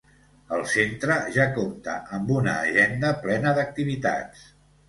El Centre ja compta amb una agenda plena d'activitats.